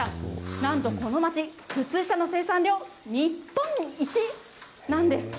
なんとこの町、靴下の生産量、日本一なんです。